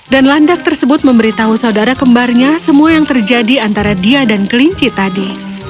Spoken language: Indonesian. dan landak tersebut memberitahu saudara kembarnya semua yang terjadi antara dia dan kelinci tadi